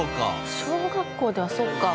小学校ではそうか。